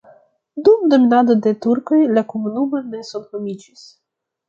Dum dominado de turkoj la komunumo ne senhomiĝis.